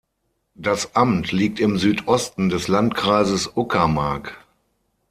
Das Amt liegt im Südosten des Landkreises Uckermark.